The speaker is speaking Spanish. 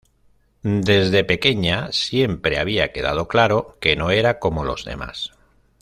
Desde pequeña siempre había quedado claro que no era como los demás.